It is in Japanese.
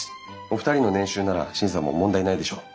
お二人の年収なら審査も問題ないでしょう。